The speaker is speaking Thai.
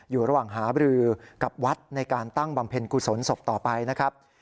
อยู่ระหว่างหาบรือกับวัดในการตั้งบำเพ็ญกุศลศพต่อไปนะครับ